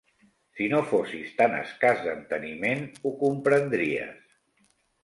Si no fossis tan escàs d'enteniment, ho comprendries.